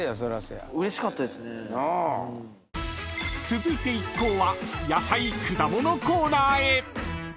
［続いて一行は野菜・果物コーナーへ］